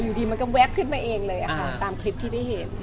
อยู่ดีมันก็แป๊บขึ้นมาเองเลยค่ะตามคลิปที่ได้เห็น